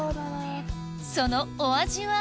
そのお味は？